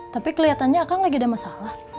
tapi kelihatannya akan lagi ada masalah